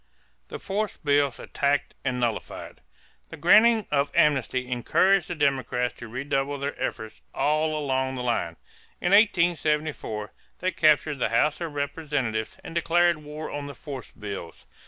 =The Force Bills Attacked and Nullified.= The granting of amnesty encouraged the Democrats to redouble their efforts all along the line. In 1874 they captured the House of Representatives and declared war on the "force bills."